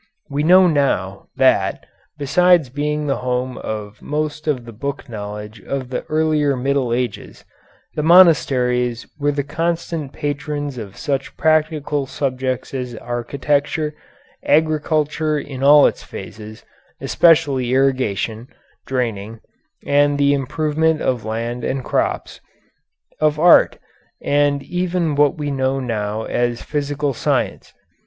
We now know that, besides being the home of most of the book knowledge of the earlier Middle Ages, the monasteries were the constant patrons of such practical subjects as architecture, agriculture in all its phases, especially irrigation, draining, and the improvement of land and crops; of art, and even what we now know as physical science.